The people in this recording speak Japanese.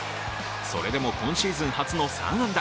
それでも今シーズン初の３安打。